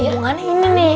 hubungannya ini nih